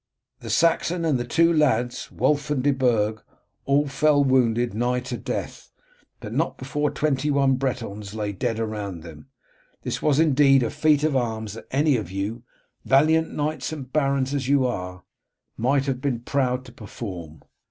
The Saxon and the two lads, Wulf and De Burg, all fell wounded well nigh to death, but not before twenty one Bretons lay dead around them. This was indeed a feat of arms that any of you, valiant knights and barons as you are, might have been proud to perform.